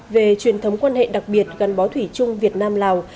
về truyền thống quan hệ đặc biệt gắn bó thủy chung việt nam lào